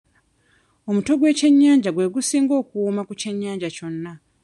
Omutwe gw'ekyennyanja gwe gusinga okuwoma ku kyennyanja kyonna.